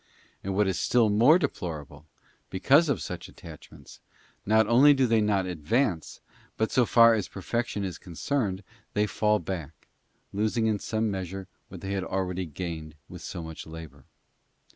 And what is still more deplorable, because of such attachments, not only do they not advance, but, so far as perfection is con cerned, they fall back, losing in some measure what they had already gained with so much labour.